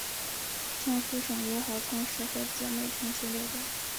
江苏省友好城市或姐妹城市列表